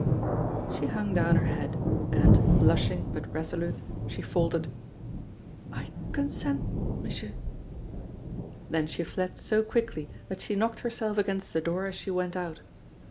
'" She hung down her head, and, blushing, but resolute, she faltered: "I consent, Monsieur." Then she fled so quickly that she knocked herself against the door as she went out.